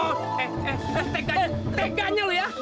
tek tek ganyel ya